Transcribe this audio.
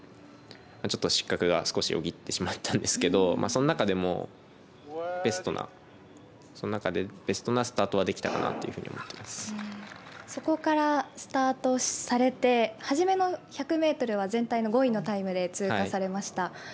ちょっと失格が少しよぎってしまったんですけどその中でベストのスタートはできたかなというふうにそこからスタートされて初めの１００ｍは全体の５位のタイムで通過されました。